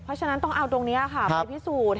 เพราะฉะนั้นต้องเอาตรงนี้ไปพิสูจน์